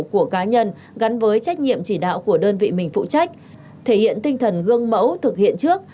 của cá nhân gắn với trách nhiệm chỉ đạo của đơn vị mình phụ trách thể hiện tinh thần gương mẫu thực hiện trước